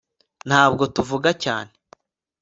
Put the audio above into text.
ntabwo tuvuga cyane